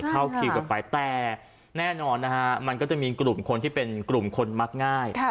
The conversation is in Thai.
เข้าคิวกันไปแต่แน่นอนนะฮะมันก็จะมีกลุ่มคนที่เป็นกลุ่มคนมักง่าย